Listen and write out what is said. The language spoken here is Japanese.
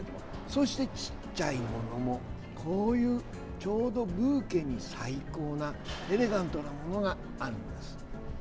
そして、ちっちゃいものもこういうちょうどブーケに最高なエレガントなものがあるんです。